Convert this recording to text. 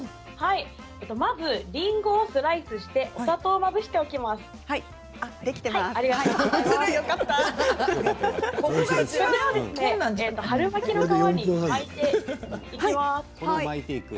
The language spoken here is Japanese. まずりんごをスライスしてお砂糖をまぶしておきます。